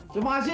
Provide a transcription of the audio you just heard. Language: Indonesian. terima kasih ya